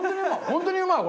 本当にうまい！